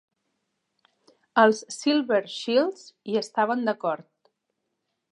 Els Silver Shields hi estaven d'acord.